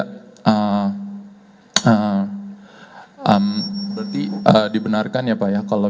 berarti dibenarkan ya pak ya